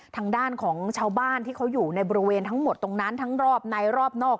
ทางด้านของชาวบ้านที่เขาอยู่ในบริเวณทั้งหมดตรงนั้นทั้งรอบในรอบนอก